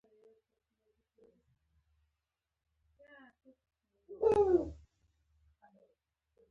زما بې بې دادا ته وايه خوشحاله نه يم له ناکامه ژوند کومه